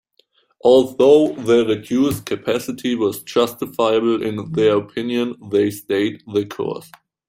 Although the reduced capacity was justifiable in their opinion, they stayed the course.